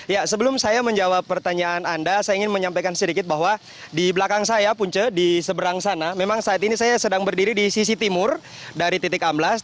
ya sebelum saya menjawab pertanyaan anda saya ingin menyampaikan sedikit bahwa di belakang saya punce di seberang sana memang saat ini saya sedang berdiri di sisi timur dari titik amblas